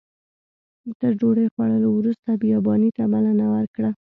تر ډوډۍ خوړلو وروسته بیاباني ته بلنه ورکړه.